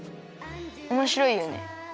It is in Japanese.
おもしろいよね。